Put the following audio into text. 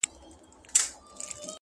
غوړېدلی به ټغر وي د خوښیو اخترونو٫